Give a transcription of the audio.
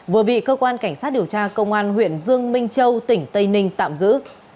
vừa bị cơ quan cảnh sát điều tra công an huyện dương minh châu tỉnh tây ninh tạm giữ